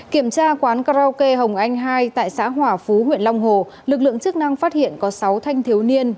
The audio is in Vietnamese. kiểm tra quán karaoke hồng anh hai tại xã hỏa phú huyện long hồ lực lượng chức năng phát hiện có sáu thanh thiếu niên